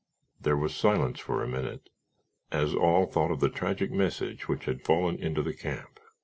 There was silence for a minute as all thought of the tragic message which had fallen into the camp.